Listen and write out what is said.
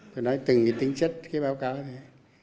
tôi nói từng tính chất cái báo cáo này